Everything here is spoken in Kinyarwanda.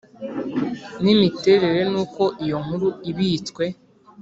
N imiterere n uko iyo nkuru ibitswe